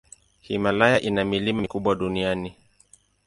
Himalaya ina milima mikubwa duniani.